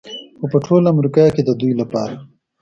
خو په ټول امریکا کې د دوی لپاره